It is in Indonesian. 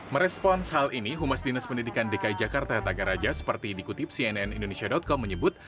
merespons hal ini humas dinas pendidikan dki jakarta tagaraja seperti dikutip cnn indonesia com menyebut